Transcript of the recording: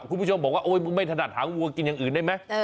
คุณผู้ชมบอกว่าโอ๊ยมึงไม่ถนัดหางวัวกินอย่างอื่นได้ไหม